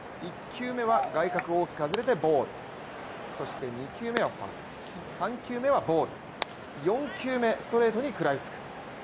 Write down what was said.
１球目は外角を大きく外れてボール２球目はファウル、３球目はボール、４球目、ストレートに食らいつく。